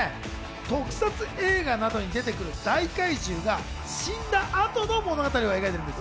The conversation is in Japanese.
特撮映画などに出てくる大怪獣が死んだ後の物語を描いているんです。